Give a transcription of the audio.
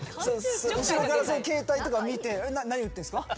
後ろから携帯とか見て何打ってんすか？